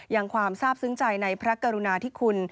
ความทราบซึ้งใจในพระกรุณาธิคุณ